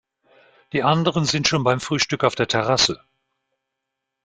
Die anderen sind schon beim Frühstück auf der Terrasse.